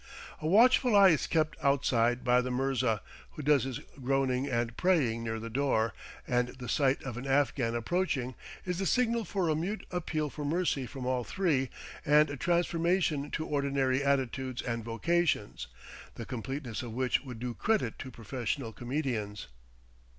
A watchful eye is kept outside by the mirza, who does his groaning and praying near the door, and the sight of an Afghan approaching is the signal for a mute appeal for mercy from all three, and a transformation to ordinary attitudes and vocations, the completeness of which would do credit to professional comedians.